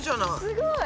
すごい！